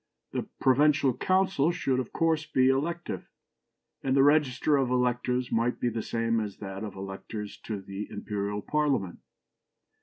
The provincial councils should of course be elective, and the register of electors might be the same as that of electors to the Imperial Parliament.